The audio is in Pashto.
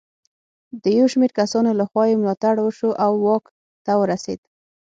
د یو شمېر کسانو له خوا یې ملاتړ وشو او واک ته ورسېد.